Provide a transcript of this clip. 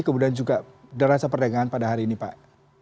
kemudian juga derasa perdagangan pada hari ini pak